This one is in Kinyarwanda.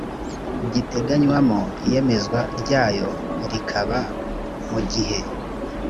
giteganywamo iyemezwa ryayo rikaba mu gihe